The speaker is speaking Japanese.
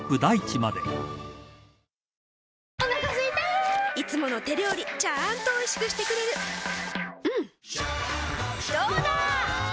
お腹すいたいつもの手料理ちゃんとおいしくしてくれるジューうんどうだわ！